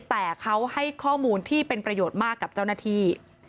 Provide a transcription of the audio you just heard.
แต่เขาให้ข้อมูลที่เป็นประโยชน์มากกับเจ้าหน้าที่